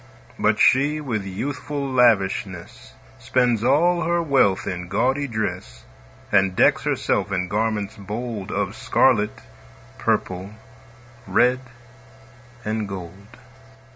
But she, with youthful lavishness, Spends all her wealth in gaudy dress, And decks herself in garments bold Of scarlet, purple, red, and gold.